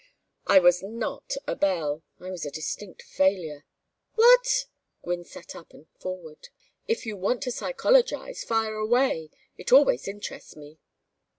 "I was not a belle. I was a distinct failure." "What?" Gwynne sat up and forward. "If you want to psychologize, fire away. It always interests me."